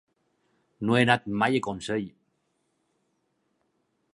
No he anat mai a Consell.